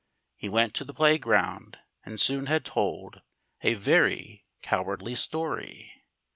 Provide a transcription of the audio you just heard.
He went to the playground, and soon had told A very cowardly story!